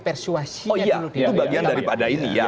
persuasinya dulu oh ya itu bagian daripada ini